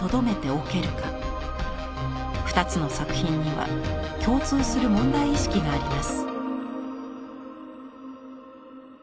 ２つの作品には共通する問題意識があります。